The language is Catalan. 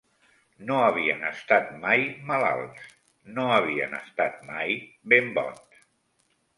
No havien estat mai malalts; no havien estat mai ben bons